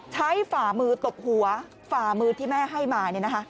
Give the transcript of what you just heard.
ใช้ฝ่ามือตบหัวฝ่ามือที่แม่ให้มาเนี่ยนะคะ